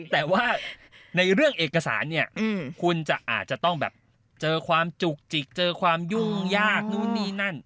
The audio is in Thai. แต่ว่าในเรื่องเอกสารเนี่ยคุณจะอาจจะต้องแบบเจอความจุกจิกเจอความยุ่งยากนู่นนี่นั่น